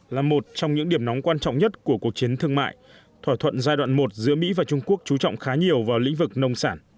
là một trong những điểm nóng quan trọng nhất của cuộc chiến thương mại thỏa thuận giai đoạn một giữa mỹ và trung quốc chú trọng khá nhiều vào lĩnh vực nông sản